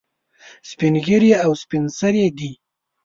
سپین ږیري او سپین سرې دي.